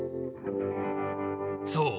そう。